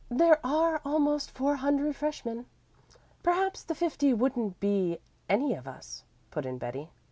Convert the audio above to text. "There are almost four hundred freshmen. Perhaps the fifty wouldn't be any of us," put in Betty.